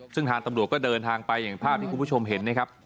ซึ่งทางตำรวจก็เดินทางไปอย่างภาพที่คุณผู้ชมเห็นนะครับ